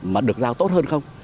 mà được giao tốt hơn không